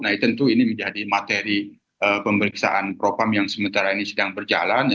nah tentu ini menjadi materi pemeriksaan propam yang sementara ini sedang berjalan